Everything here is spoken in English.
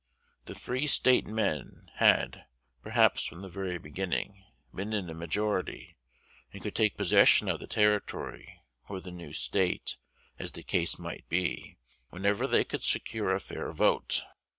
The Free State men had, perhaps from the very beginning, been in a majority, and could take possession of the Territory or the new State, as the case might be, whenever they could secure a fair vote.